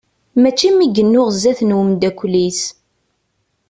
Mačči mi yennuɣ sdat n umddakel-is.